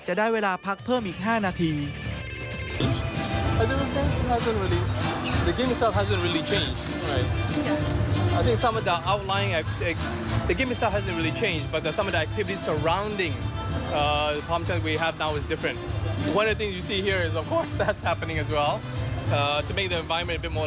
จะได้เวลาพักเพิ่มอีก๕นาที